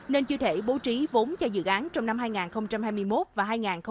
nên chưa thể bố trí vốn cho dự án trong năm hai nghìn hai mươi một và hai nghìn hai mươi hai